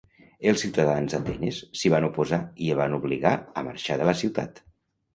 Els ciutadans d'Atenes s'hi van oposar i el van obligar a marxar de la ciutat.